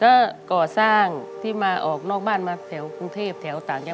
ก็ก่อสร้างที่มาออกนอกบ้านมาแถวกรุงเทพแถวต่างจังหวัด